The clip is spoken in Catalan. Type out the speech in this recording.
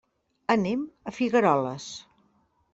Anem a Figueroles.